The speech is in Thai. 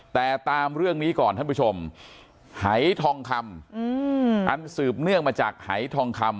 แต่ตามเรื่องนี้ก่อนท่านผู้ชมหายทองคำอันสืบเนื่องมาจากหายทองคำ